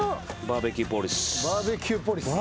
バーベキューポリス？